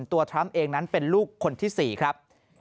ทรัมป์เองนั้นเป็นลูกคนที่๔ครับ